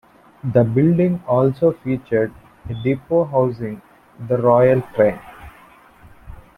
The building also featured a depot housing the Royal Train.